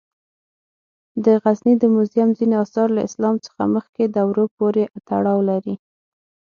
د غزني د موزیم ځینې آثار له اسلام څخه مخکې دورو پورې تړاو لري.